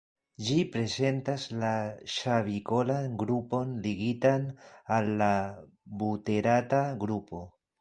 Ĝi prezentas la ŝavikolan grupon ligitan al la buterata grupo.